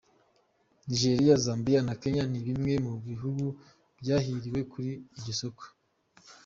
Nigeria, Zambia na Kenya ni bimwe mu bihugu byahiriwe kuri iryo soko.